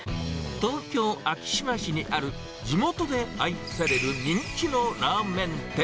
東京・昭島市にある地元で愛される人気のラーメン店。